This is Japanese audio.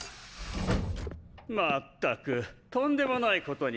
まったくとんでもないことになったね。